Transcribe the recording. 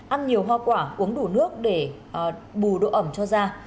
ăn nhiều hoa quả uống đủ nước để bù độ ẩm cho da